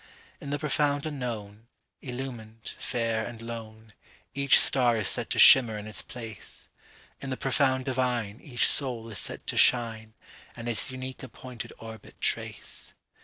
In the profound unknown, Illumined, fair, and lone, Each star is set to shimmer in its place.In the profound divineEach soul is set to shine, And its unique appointed orbit trace.